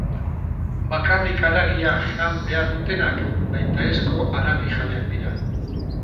Bakarrik haragia jan behar dutenak nahitaezko haragijaleak dira.